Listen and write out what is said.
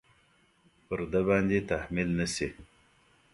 پر ده باندې تحمیل نه شي.